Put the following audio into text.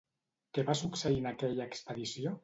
Què va succeir en aquella expedició?